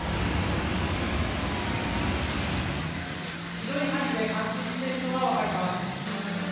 広い範囲で冠水しているのが分かります。